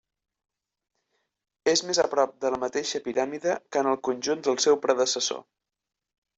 És més a prop de la mateixa piràmide que en el conjunt del seu predecessor.